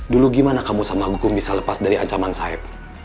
dulu gimana kamu sama hukum bisa lepas dari ancaman saya